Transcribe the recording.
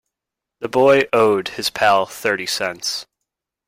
The boy owed his pal thirty cents.